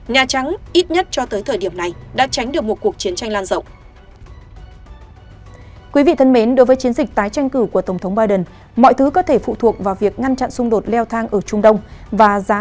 nhà trắng ít nhất cho tới thời điểm này đã tránh được một cuộc chiến tranh lan rộng